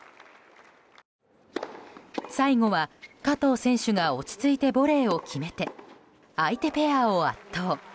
最後は、加藤選手が落ち着いてボレーを決めて相手ペアを圧倒。